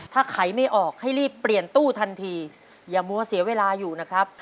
ถ้าไขไม่ออกให้รีบเปลี่ยนตู้ทันทีอย่ามัวเสียเวลาอยู่นะครับ